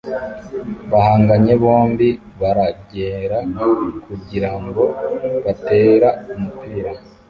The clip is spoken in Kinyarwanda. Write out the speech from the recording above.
bahanganye bombi baragera kugirango batera umupira